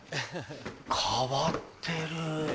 変わってる。